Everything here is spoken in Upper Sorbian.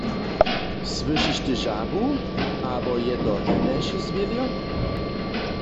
Słyšiš ty žabu abo je to hinaše zwěrjo?